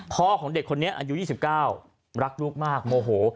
ของเด็กคนนี้อายุ๒๙รักลูกมากโมโห